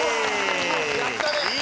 やったね。